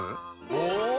お！